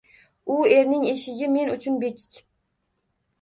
U erning eshigi men uchun bekiq